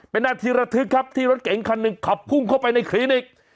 เป็นนาทีระทึกครับที่รถเก๋งคันหนึ่งขับพุ่งเข้าไปในคลินิก